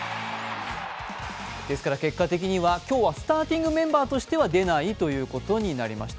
結果的には今日はスターティングメンバーとしては出ないということになりました。